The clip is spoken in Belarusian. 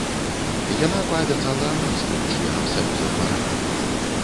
Яна паабяцала амністыю членам саюза дваран.